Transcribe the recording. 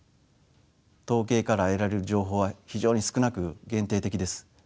統計から得られる情報は非常に少なく限定的です。